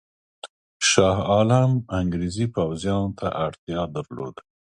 شاه عالم انګرېزي پوځیانو ته اړتیا درلوده.